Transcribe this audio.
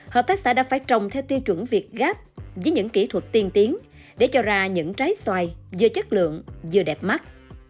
hợp tác xã đã phải trồng theo tiêu chuẩn việt gáp với những kỹ thuật tiên tiến để cho ra những trái xoài vừa chất lượng vừa đẹp mắt